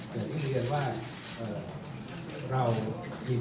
เพราะว่ายังไม่เข็ดแบบเมือง